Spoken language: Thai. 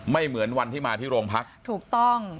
ไม่เหมือนวันที่มาที่โรงพักษณ์